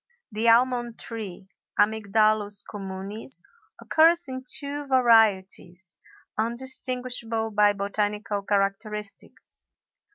The almond tree, Amygdalus communis, occurs in two varieties, undistinguishable by botanical characteristics.